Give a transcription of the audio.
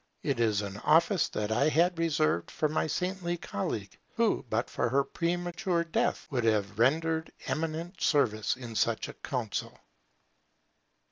It is an office that I had reserved for my saintly colleague, who, but for her premature death, would have rendered eminent service in such a Council.